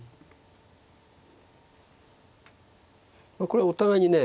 これお互いにね